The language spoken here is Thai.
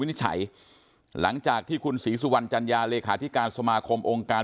นิจฉัยหลังจากที่คุณศรีสุวรรณจัญญาเลขาธิการสมาคมองค์การ